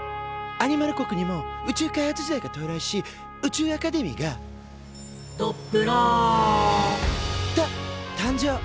アニマル国にも宇宙開発時代が到来し宇宙アカデミーが「ドップラ！」と誕生。